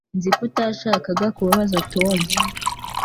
Nzi ko utashakaga kubabaza Tom